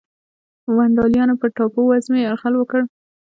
ونډالیانو پر ټاپو وزمې یرغل وکړ.